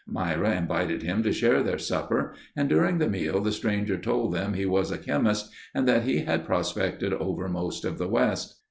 Myra invited him to share their supper and during the meal the stranger told them he was a chemist and that he had prospected over most of the West.